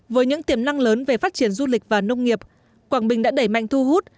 với những tiềm năng lớn về phát triển du lịch và nông nghiệp quảng bình đã đẩy mạnh thu hút